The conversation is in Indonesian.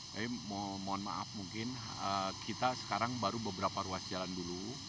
tapi mohon maaf mungkin kita sekarang baru beberapa ruas jalan dulu